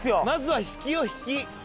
まずは引きよ引き